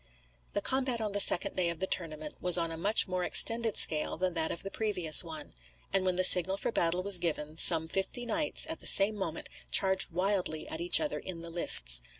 The combat on the second day of the tournament was on a much more extended scale than that of the previous one; and when the signal for battle was given some fifty knights, at the same moment, charged wildly at each other in the lists.